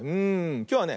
きょうはね